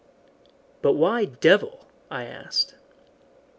"But why 'Devil'?" I asked.